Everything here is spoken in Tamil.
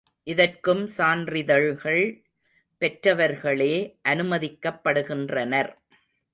இதற்கும் சான்றிதழ்கள் பெற்றவர்களே அனுமதிக்கப்படுகின்றனர்.